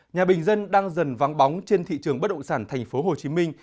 nhà bình dân đang dần vắng bóng trên thị trường bất động sản thành phố hồ chí minh